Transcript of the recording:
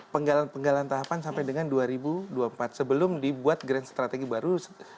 penggalan penggalan tahapan sampai dengan dua ribu dua puluh empat sebelum dibuat grand strategy baru